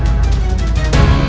hukuman yang lebih berat lagi